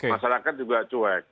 masyarakat juga cuek